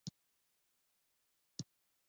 مېز د یو سړي یا څو تنو لپاره جوړېږي.